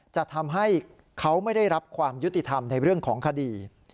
จะทำให้เขาไม่ได้รับความยุติธรรมในเรื่องของคดี